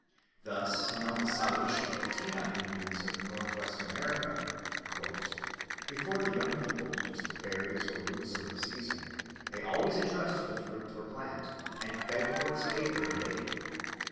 Thus among the Salish and Tinneh Indians of North West America, "before the young people eat the first berries or roots of the season, they always addressed the fruit or plant, and begged for its favour and aid.